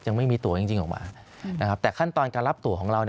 ยังไม่มีตัวจริงออกมานะครับแต่ขั้นตอนการรับตัวของเรา